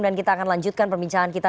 dan kita akan lanjutkan perbincangan kita